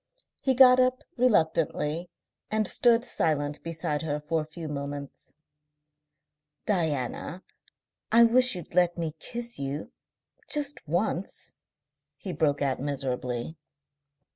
He got up reluctantly and stood silent beside her for a few moments. "Diana, I wish you'd let me kiss you, just once," he broke out miserably.